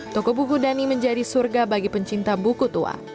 toko buku dhani menjadi surga bagi pencinta buku tua